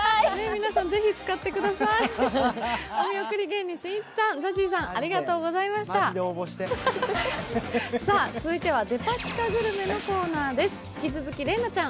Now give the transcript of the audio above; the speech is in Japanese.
皆さん、ぜひ使ってください続いては、デパ地下グルメのコーナーです。